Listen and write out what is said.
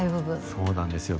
そうなんですよ。